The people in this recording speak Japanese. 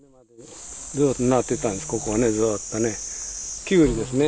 ずーっとなってたんですよ、ここ、ずっとね、キュウリですね。